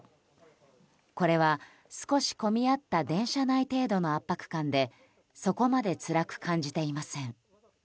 これは、少し混み合った電車内程度の圧迫感でそこまでつらく感じていません。